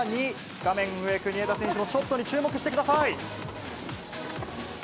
画面上、国枝選手のショットに注目してください。